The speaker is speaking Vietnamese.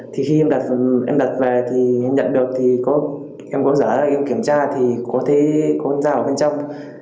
thì khi em đặt về thì em nhận được em có giá em kiểm tra thì có thấy con dao ở bên trong